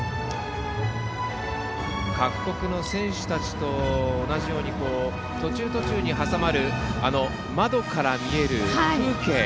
各国の選手たちと同じように途中途中に挟まる窓から見える風景。